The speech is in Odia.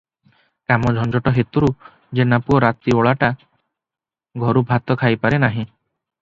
କାମ ଝଞ୍ଜଟ ହେତୁରୁ ଜେନାପୁଅ ରାତିଓଳିଟା ଘରୁଭାତ ଖାଇପାରେ ନାହିଁ ।